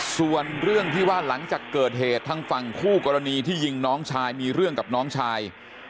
ส่วนเรื่องที่ว่าหลังจากเกิดเหตุทางฝั่งคู่กรณีที่ยิงน้องชายมีเรื่องกับน้องชาย